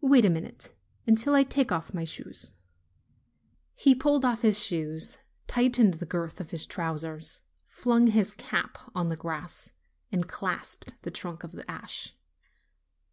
"Wait a moment, until I take off my shoes." He pulled off his shoes, tightened the girth of his trousers, flung his cap on the grass, and clasped the trunk of the ash.